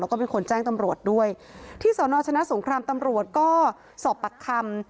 แล้วก็เป็นคนแจ้งตำรวจด้วยที่สอนอชนะสงครามตำรวจก็สอบปากคำ